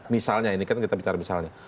misalnya ini kan kita bicara misalnya